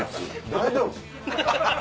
大丈夫？